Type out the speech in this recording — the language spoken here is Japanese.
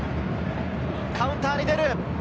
カウンターに出る。